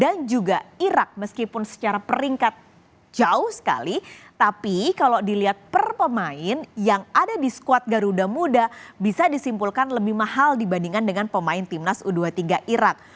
dan juga irak meskipun secara peringkat jauh sekali tapi kalau dilihat per pemain yang ada di squad garuda muda bisa disimpulkan lebih mahal dibandingkan dengan pemain timnas u dua puluh tiga irak